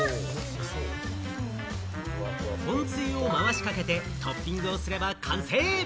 本つゆを回しかけてトッピングをすれば完成。